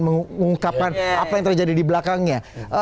mengungkapkan apa yang terjadi di belakangnya